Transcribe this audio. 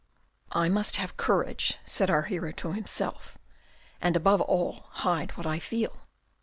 " I must have courage," said our hero to himself, "and above all, hide what I feel."